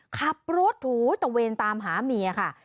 ขับรถถูตะเวนตามหาเมียค่ะ